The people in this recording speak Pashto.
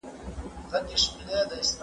ميرويس خان نيکه څنګه د خپلو سرتېرو مشري کوله؟